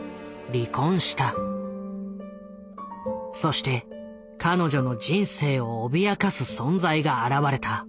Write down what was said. そして彼女の人生を脅かす存在が現れた。